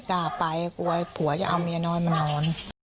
กลัวไอ้ผัวจะเอาเมียน้อยมานอน